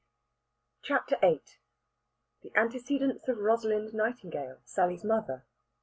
CHAPTER VIII THE ANTECEDENTS OF ROSALIND NIGHTINGALE, SALLY'S MOTHER.